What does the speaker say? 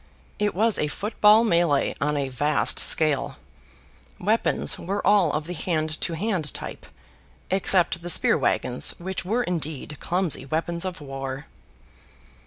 It was a foot ball melee on a vast scale. Weapons were all of the hand to hand type, except the spear wagons which were indeed clumsy weapons of war.